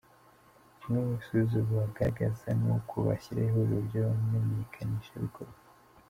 Kimwe mu bisubizo bagaragaza ni uko bashyiraho ihuriro ry’abamenyekanishabikorwa.